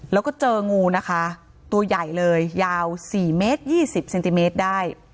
แล้วก็เจองูนะคะตัวใหญ่เลยยาว๔เมตร๒๐เซนติเมตรได้